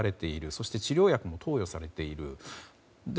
そして治療薬も投与されている。